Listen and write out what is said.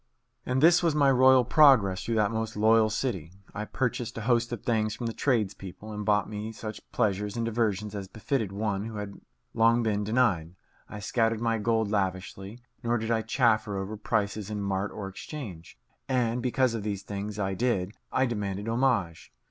And this was my royal progress through that most loyal city. I purchased a host of things from the tradespeople, and bought me such pleasures and diversions as befitted one who had long been denied. I scattered my gold lavishly, nor did I chaffer over prices in mart or exchange. And, because of these things I did, I demanded homage.